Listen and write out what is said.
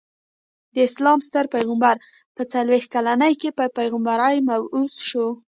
د اسلام ستر پيغمبر په څلويښت کلني کي په پيغمبری مبعوث سو.